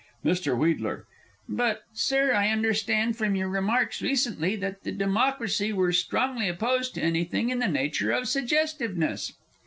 Mr. W. But, Sir, I understood from your remarks recently that the Democracy were strongly opposed to anything in the nature of suggestiveness!